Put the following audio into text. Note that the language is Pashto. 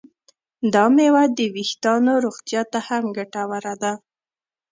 دا میوه د ویښتانو روغتیا ته هم ګټوره ده.